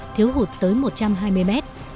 thiếu hụt tới một trăm hai mươi m